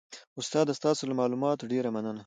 استاده ستاسو له معلوماتو ډیره مننه